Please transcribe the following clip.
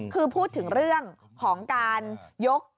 คือพูดถึงเรื่องของการยก